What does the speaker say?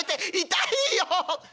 痛いよ！』」。